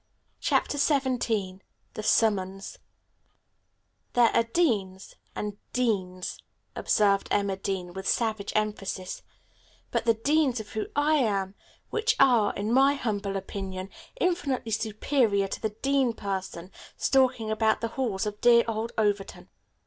CHAPTER XVII THE SUMMONS "There are Deans and deans," observed Emma Dean with savage emphasis, "but the Deans, of whom I am which, are, in my humble opinion, infinitely superior to the dean person stalking about the halls of dear old Overton."